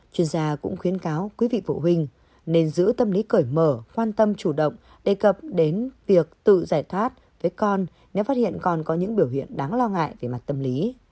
chuyên gia cũng khuyến cáo quý vị phụ huynh nên giữ tâm lý cởi mở quan tâm chủ động đề cập đến việc tự giải thoát với con nếu phát hiện còn có những biểu hiện đáng lo ngại về mặt tâm lý